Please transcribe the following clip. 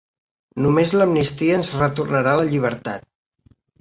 Només l’amnistia ens retornarà la llibertat.